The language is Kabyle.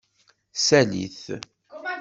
Sali-t.